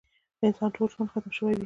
د انسان ټول ژوند ختم شوی وي.